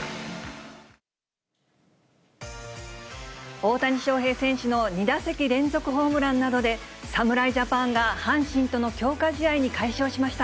大谷翔平選手の２打席連続ホームランなどで、侍ジャパンが阪神との強化試合に快勝しました。